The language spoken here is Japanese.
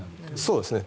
そうですね。